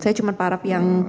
saya cuman paraf yang